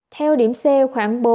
theo điểm xe khoảng bốn